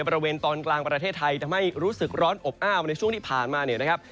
บริเวณตอนกลางประเทศไทยทำให้รู้สึกร้อนอบอ้าวในช่วงที่ผ่านมาเนี่ยนะครับ